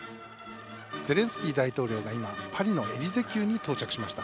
ゼレンスキー大統領が今パリのエリゼ宮に到着しました。